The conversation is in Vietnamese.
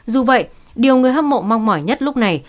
dù vậy điều người hâm mộ mong mỏi nhất lúc này